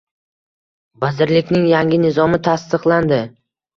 Vazirlikning yangi Nizomi tasdiqlandi.